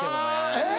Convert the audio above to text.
えっ？